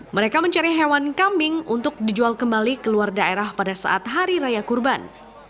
mereka mencari hewan kambing untuk dijual kembali ke luar daerah pada saat hari raya kurban